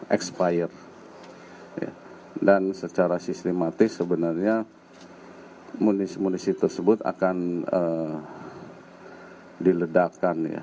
expired dan secara sistematis sebenarnya munis munis itu sebut akan diledakkan ya